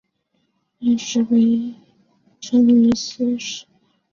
念食也称为意思食。